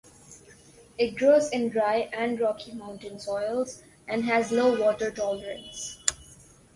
It grows in dry and rocky mountain soils and has low water tolerance.